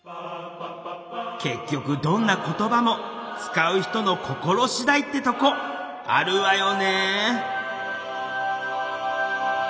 結局どんな言葉も使う人の心しだいってとこあるわよね。